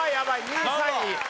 ２位３位。